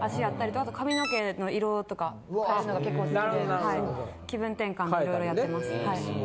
あと髪の毛の色とか変えるのが結構好きで気分転換色々やってますはい。